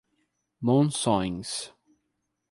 Monções